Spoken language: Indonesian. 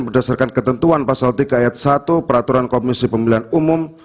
berdasarkan ketentuan pasal tiga ayat satu peraturan komisi pemilihan umum